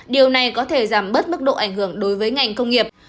điều này có thể giảm bớt mức độ ảnh hưởng đối với ngành công nghiệp